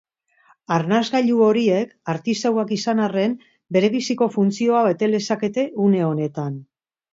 Arnasgailu horiek, artisauak izan arren, berebiziko funtzioa bete lezakete une honetan.